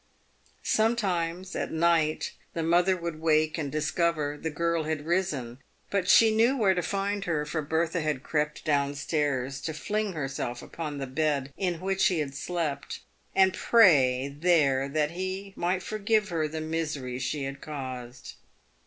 Sometimes, at night, the mother would wake, and discover the girl had risen. But she knew where to find her, for Bertha had crept down stairs to fling herself upon the bed in which he had slept, and pray there that he might forgive her the misery she had caused.